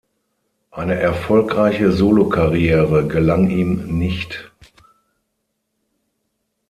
Eine erfolgreiche Solokarriere gelang ihm nicht.